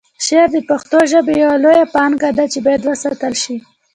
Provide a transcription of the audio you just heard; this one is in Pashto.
شعر د پښتو ژبې یوه لویه پانګه ده چې باید وساتل شي.